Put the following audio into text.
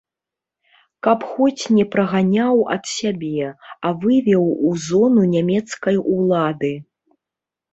Каб хоць не праганяў ад сябе, а вывеў у зону нямецкай улады.